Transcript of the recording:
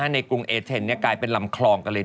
กรุงเอเทนกลายเป็นลำคลองกันเลย